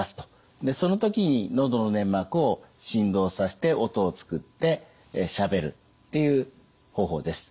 でその時に喉の粘膜を振動させて音を作ってしゃべるっていう方法です。